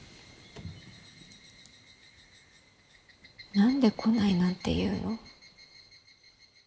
何で「来ない」なんて言うの？